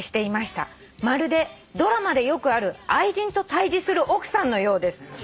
「まるでドラマでよくある愛人と対峙する奥さんのようです」